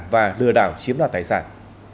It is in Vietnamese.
và lừa đảo chiếm lọt tài sản